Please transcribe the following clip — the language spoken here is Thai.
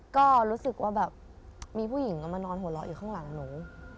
ก็รู้สึกว่าแบบมีผู้หญิงมานอนหัวเราะอยู่ข้างหลังหนู